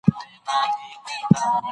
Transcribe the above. تاسو په ښه خلکو کي کومه ځانګړنه وینئ؟